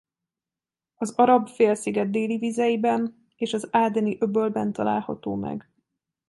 Az Arab-félsziget déli vizeiben és az Ádeni-öbölben található meg.